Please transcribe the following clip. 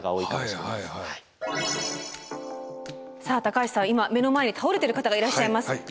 さあ高橋さん今目の前に倒れている方がいらっしゃいます。